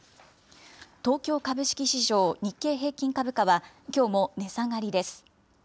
東京株式市場、日経平均株価は、きょうも値下がりです。